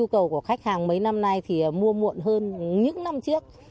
cách hàng mấy năm nay thì mua muộn hơn những năm trước